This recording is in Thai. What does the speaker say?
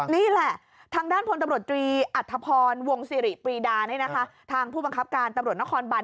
นี่แหละทางด้านพลตำรวจตรีอัธพรวงสิริปรีดานี่นะคะทางผู้บังคับการตำรวจนครบัน